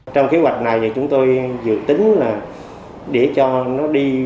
trong kế hoạch này thì chúng tôi dự tính là để cho nó đi